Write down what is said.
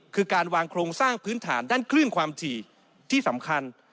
คือการวางโครงสร้างพื้นฐานด้านคลื่นความถี่ที่สำคัญ